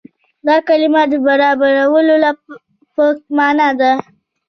دا کلمه د برابرولو په معنا ده.